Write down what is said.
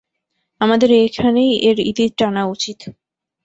আমাদের এখানেই এর ইতি টানা উচিত।